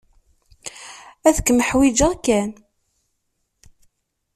Ad kem-ḥwiǧeɣ kan